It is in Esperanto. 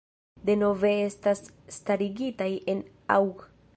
Denove estas starigitaj en aŭg.